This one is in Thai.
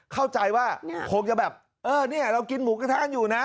เข้าใจว่าคงจะแบบเออเนี่ยเรากินหมูกระทะอยู่นะ